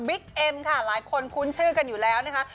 เอ็มค่ะหลายคนคุ้นชื่อกันอยู่แล้วนะคะ